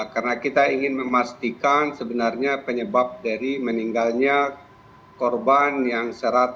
karena kita ingin memastikan sebenarnya penyebab dari meninggalnya korban yang satu ratus tiga puluh dua